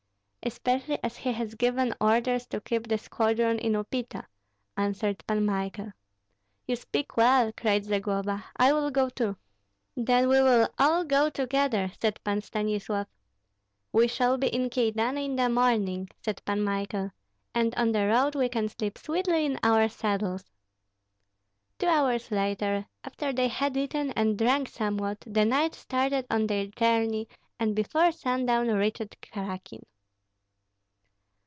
"Especially as he has given orders to keep the squadron in Upita," answered Pan Michael. "You speak well!" cried Zagloba; "I will go too." "Then we will all go together," said Pan Stanislav. "We shall be in Kyedani in the morning," said Pan Michael, "and on the road we can sleep sweetly in our saddles." Two hours later, after they had eaten and drunk somewhat, the knights started on their journey, and before sundown reached Krakin.